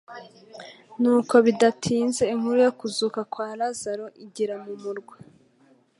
nuko bidatinze inkuru yo kuzuka kwa Lazaro igera mu murwa'.